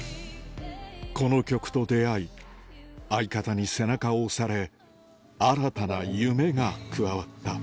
この曲と出合い相方に背中を押され新たな夢が加わった